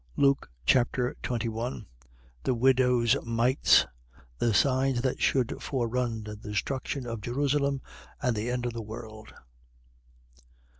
Luke Chapter 21 The widow's mites. The signs that should forerun the destruction of Jerusalem and the end of the world.